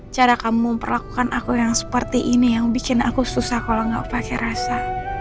cara kamu memperlakukan aku yang seperti ini yang bikin aku susah kalau nggak pakai rasa